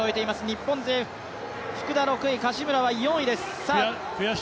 日本勢・福田６位、柏村は４位です。